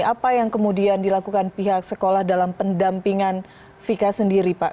apa yang kemudian dilakukan pihak sekolah dalam pendampingan vika sendiri pak